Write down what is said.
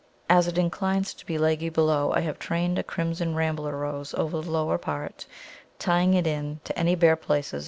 As it inclines to be leggy below, I have trained a Crimson Rambler Rose over the lower part, tying it in to any bare places in the Robinia.